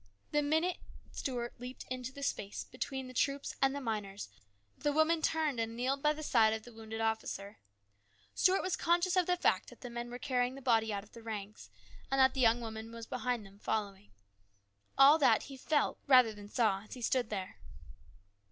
The minute Stuart leaped into the space between the troops and the miners, the woman turned and kneeled by the side of the wounded officer. Stuart was conscious of the fact that men were carrying the body out of the ranks, and that the young woman was behind them, following. All that he felt rather than saw as he stood there.